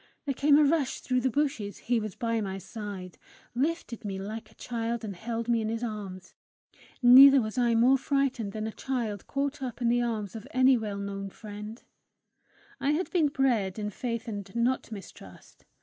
There came a rush through the bushes; he was by my side, lifted me like a child, and held me in his arms; neither was I more frightened than a child caught up in the arms of any well known friend: I had been bred in faith and not mistrust!